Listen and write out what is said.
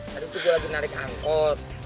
tadi tuh dia lagi narik angkot